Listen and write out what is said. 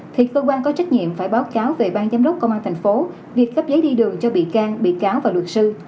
thì cơ quan có trách nhiệm phải báo cáo về bang giám đốc công an thành phố việc cấp giấy đi đường cho bị can bị cáo và luật sư